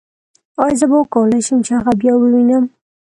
ایا زه به وکولای شم چې هغه بیا ووینم